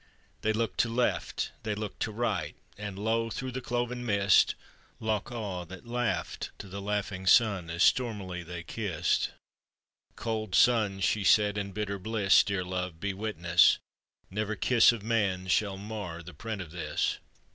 They looked to left, they looked to right, And lo, through the cloven mist, POETRY ON OR ABOUT THE MACLEANS. 441 Loch Awe, that laughed to the laughing 8un As stormily they kissed. " Cold sun," she said, "and bitter bliss, Dear love, be witness : never kiss Of man shall mar the print of this